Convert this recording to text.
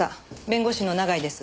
弁護士の永井です。